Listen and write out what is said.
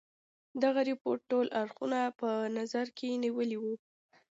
دغه رپوټ ټول اړخونه په نظر کې نیولي وه.